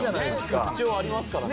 特徴ありますからね。